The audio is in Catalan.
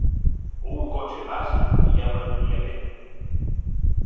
Un cotxe bàsic ja m'aniria bé.